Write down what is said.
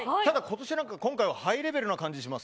今回はハイレベルな感じがします。